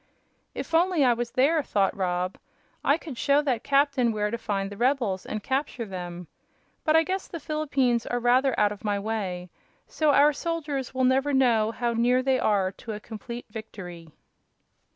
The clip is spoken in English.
"If only I was there," thought Rob, "I could show that captain where to find the rebels and capture them. But I guess the Philippines are rather out of my way, so our soldiers will never know how near they are to a complete victory."